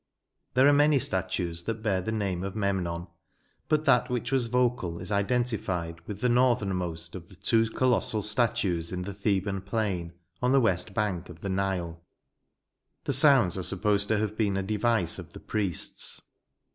There are many statues that bear the name of Memnon, but that which was vocal is identified with the northernmost of the two colossal statues in the Theban plain, on the west bank of the Nile. The sounds are supposed to have been a device of the priests.